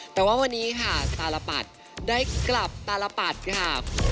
แต่ว่าวันนี้ค่ะสตารปัดได้กลับตารปัดค่ะ